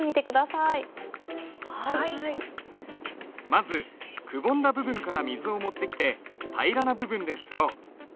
まずくぼんだ部分から水を持ってきて平らな部分で磨ろう。